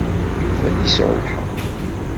Yuba ad yesɛu lḥeqq.